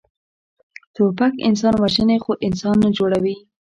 توپک انسان وژني، خو انسان نه جوړوي.